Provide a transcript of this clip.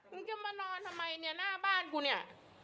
มึงจะมานอนทำไมเนี่ยหน้าบ้านกูเนี่ย